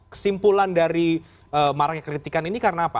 kesimpulan dari maraknya kritikan ini karena apa